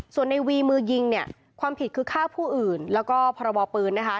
ส่วนในวีมือยิงเนี่ยความผิดคือฆ่าผู้อื่นแล้วก็พรบปืนนะคะ